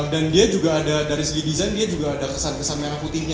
dan dia juga ada dari segi desain dia juga ada kesan kesan merah putihnya